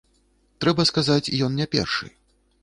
Трэба сказаць, ён не першы.